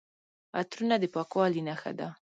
عطرونه د پاکوالي نښه ده.